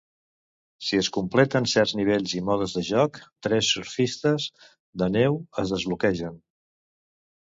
Si es completen certs nivells i modes de jocs, tres surfistes de neu es desbloquegen.